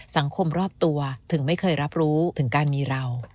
ครอบครัวรอบตัวถึงไม่เคยรับรู้ถึงการมีเรา